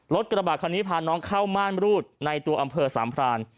กระบาดคันนี้พาน้องเข้าม่านรูดในตัวอำเภอสามพราน